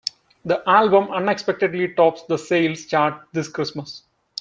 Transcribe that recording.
The album unexpectedly tops the sales chart this Christmas.